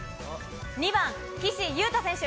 ２番、岸優太選手。